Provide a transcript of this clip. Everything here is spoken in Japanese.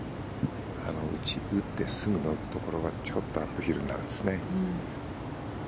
打ってすぐのところがちょっとアップヒルになるんですね。